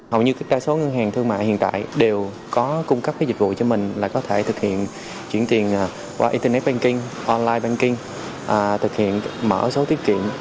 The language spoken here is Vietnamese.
hầu như đa số ngân hàng thương mại hiện tại đều có cung cấp dịch vụ cho mình là có thể thực hiện chuyển tiền qua internet banking online banking thực hiện mở số tiết kiệm